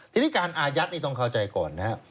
ทีนี้การอายัดนี่ต้องเข้าใจก่อนนะครับ